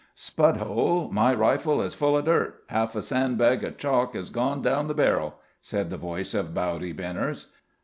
"Spudhole, my rifle is full of dirt; half a sandbag of chalk has gone down the barrel," said the voice of Bowdy Benners.